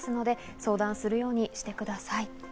相談するようにしてください。